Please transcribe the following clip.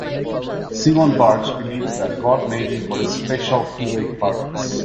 Simon Birch believes that God made him for a special, heroic purpose.